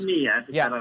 oke saya ke pak trubus